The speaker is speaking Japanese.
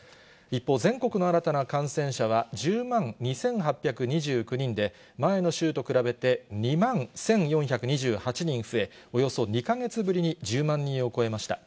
一方、全国の新たな感染者は１０万２８２９人で、前の週と比べて２万１４２８人増え、およそ２カ月ぶりに１０万人を超えました。